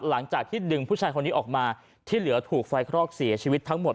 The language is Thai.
หลังจากที่ดึงผู้ชายคนนี้ออกมาที่เหลือถูกไฟคลอกเสียชีวิตทั้งหมด